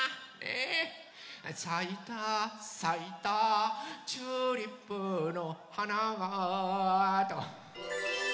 「さいたさいたチューリップのはなが」と。